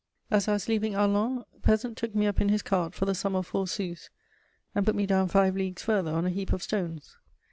* As I was leaving Arlon, a peasant took me up in his cart for the sum of four sous, and put me down five leagues farther on a heap of stones.